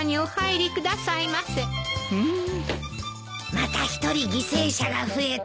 また１人犠牲者が増えた。